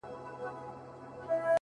توروه سترگي ښايستې په خامـوشـۍ كي’